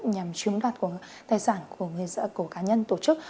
nhằm chiếm đoạt tài sản của cá nhân tổ chức